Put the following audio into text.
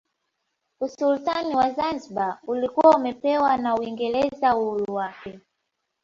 Usultani wa Zanzibar ulikuwa umepewa na Uingereza uhuru wake